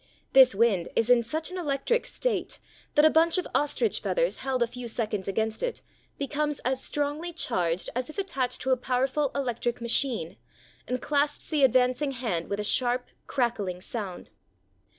This wind is in such an electric state that a bunch of ostrich feathers held a few seconds against it be comes as strongly charged as if attached to a powerful electrical machine, and clasps the advancing hand with a sharp, crackling sound.